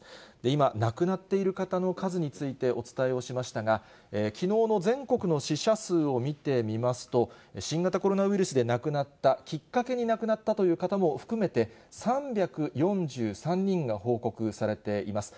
今、亡くなっている方の数についてお伝えをしましたが、きのうの全国の死者数を見てみますと、新型コロナウイルスで亡くなった、きっかけに亡くなったという方も含めて、３４３人が報告されています。